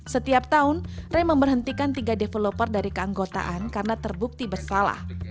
setiap tahun rem memberhentikan tiga developer dari keanggotaan karena terbukti bersalah